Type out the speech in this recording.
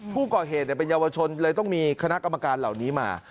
ผู้ก่อเหตุเป็นเยาวชนเลยต้องมีคณะกรรมการเหล่านี้มา